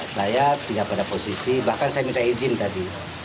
saya tidak pada posisi bahkan saya minta izin tadi